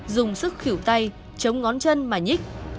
dùng sức khỉu tay chống ngón chân mà nhích